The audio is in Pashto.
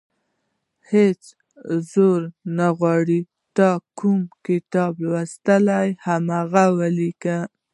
هېڅ زور نه غواړي تا کوم کتاب لوستی، هماغه ولیکه.